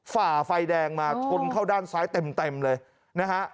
ฝ่าไฟแดงมาชนเข้าด้านซ้ายเต็มเลยนะฮะ